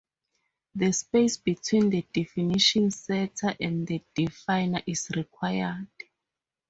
The space between the definition setter and the definer is required.